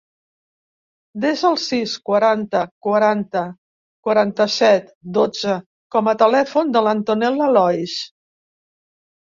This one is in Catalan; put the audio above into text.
Desa el sis, quaranta, quaranta, quaranta-set, dotze com a telèfon de l'Antonella Lois.